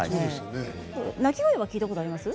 鳴き声を聞いたことありますか。